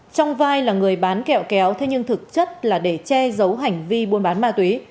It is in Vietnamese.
trong vai là người bán kẹo kéo thế nhưng thực chất là để che giấu hành vi buôn bán ma túy